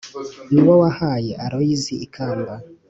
Ni wo yahaye Aloyizi ikamba